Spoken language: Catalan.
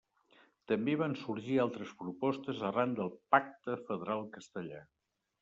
També van sorgir altres propostes, arran del Pacte Federal Castellà.